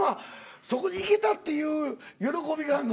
そこに行けた！っていう喜びがあんの？